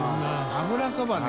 油そばね。